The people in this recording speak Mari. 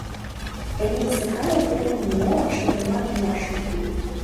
Тенийсе калык дене нимо шотымат муаш ок лий.